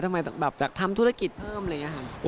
ทำไมทำธุรกิจเพิ่มอะไรอย่างนี้ครับ